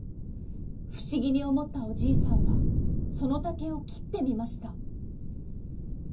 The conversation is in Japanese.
ふしぎにおもったおじいさんはそのたけをきってみました。